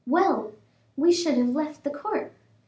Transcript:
Well! we should have left the court.